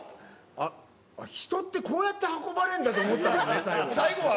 人って、こうやって運ばれんだと思ったもんね、最後は。